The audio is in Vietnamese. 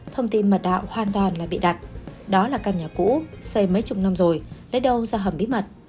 thông tin mật đạo hoàn toàn là bị đặt đó là căn nhà cũ xây mấy chục năm rồi lấy đâu ra hầm bí mật